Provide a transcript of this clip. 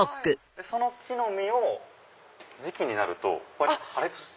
その木の実を時期になるとこうやって破裂して。